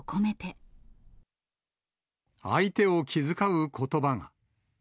相手を気遣うことばが。